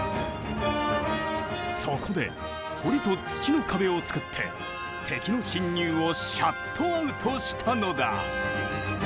そこで堀と土の壁をつくって敵の侵入をシャットアウトしたのだ。